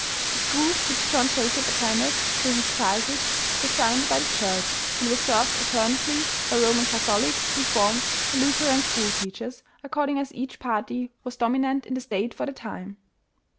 The school which John Jacob attended through h^s childhood, was founded by the Church, and was served alternately by Roman Catholic, Reformed, and Luth eran school teachers, according as each party was dom inant in the state for the time.